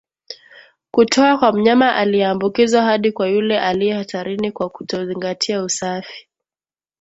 kutoka kwa mnyama aliyeambukizwa hadi kwa yule aliye hatarini kwa kutozingatia usafi